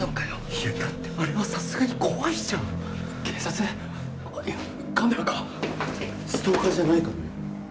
いやだってあれはさすがに怖いじゃん警察いやカメラかストーカーじゃないかもよ？